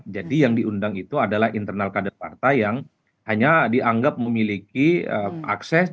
jadi yang diundang itu adalah internal kader partai yang hanya dianggap memiliki akses